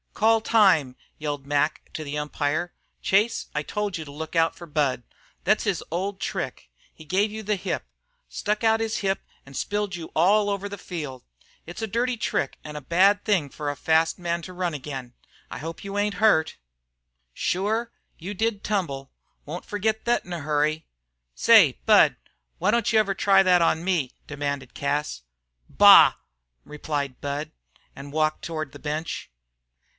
"Call time," yelled Mac to the umpire. "Chase, I told you to look out for Budd. Thet's his old trick. He gave you the hip. Stuck out his hip an' spilled you all over the field. It's a dirty trick, an' a bad thing for a fast man to run agin. I hope you ain't hurt. Shure, you did tumble won't forgit thet in a hurry." "Say, Budd, why don't you ever try that on me?" demanded Cas. "Bah!" replied Budd, and walked toward the bench.